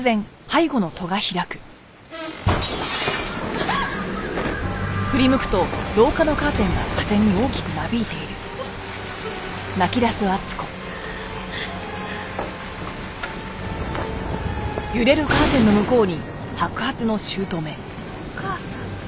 わあっ！お義母さん？